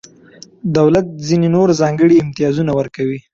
دولت ځینې نور ځانګړي امتیازونه ورکوي.